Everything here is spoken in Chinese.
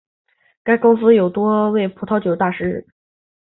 该公司有多位葡萄酒大师。